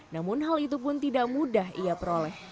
namun hal itu pun tidak mudah ia peroleh